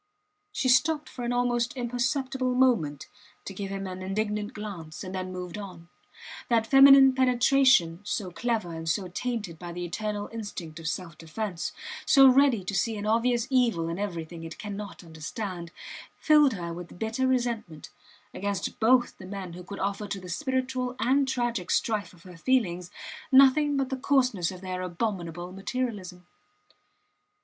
She stopped for an almost imperceptible moment to give him an indignant glance, and then moved on. That feminine penetration so clever and so tainted by the eternal instinct of self defence, so ready to see an obvious evil in everything it cannot understand filled her with bitter resentment against both the men who could offer to the spiritual and tragic strife of her feelings nothing but the coarseness of their abominable materialism.